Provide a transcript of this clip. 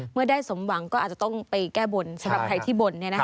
เมื่อได้สมหวังก็อาจจะต้องไปแก้บนสำหรับใครที่บน